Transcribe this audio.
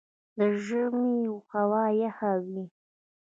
د ژمي هوا یخه وي